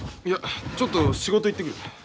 いやちょっと仕事行ってくる。